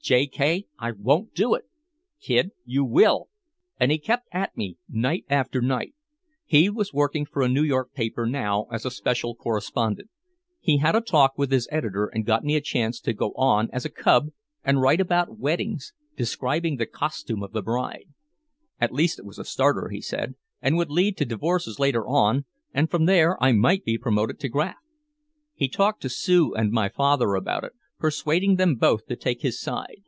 "J. K. I won't do it" "Kid you will!" And he kept at me night after night. He was working for a New York paper now as a special correspondent. He had a talk with his editor and got me a chance to go on as a "cub" and write about weddings, describing the costume of the bride. At least it was a starter, he said, and would lead to divorces later on, and from there I might be promoted to graft. He talked to Sue and my father about it, persuading them both to take his side.